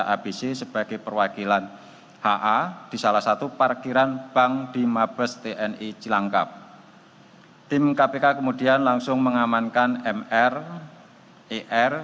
tim kpk mendapat informasi adanya penyelenggara negara yang berpengaruh dengan penyelenggara negara